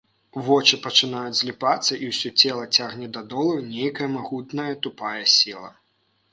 Вочы пачынаюць зліпацца, і ўсё цела цягне да долу нейкая магутная тупая сіла.